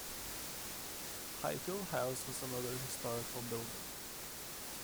Highfield House was another historical building.